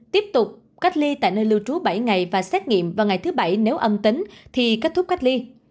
tiếp tục cách ly tại nơi lưu trú bảy ngày và xét nghiệm vào ngày thứ bảy nếu âm tính thì kết thúc cách ly